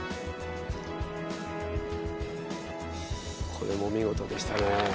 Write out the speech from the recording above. これも見事でしたね。